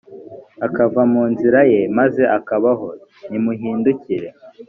akava mu nzira ye maze akabaho nimuhindukire